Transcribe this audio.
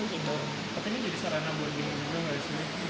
pertanyaannya jadi sarana buat gimana juga nggak disini